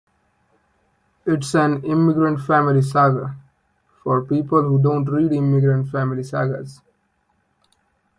It's an immigrant-family saga for people who don't read immigrant-family sagas.